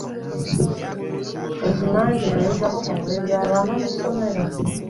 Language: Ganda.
Okimanyi nti nayozaako ku ngoye z'abaana ku somero.